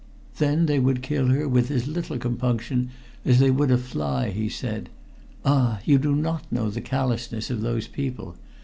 "Then they would kill her with as little compunction as they would a fly," he said. "Ah! you do not know the callousness of those people.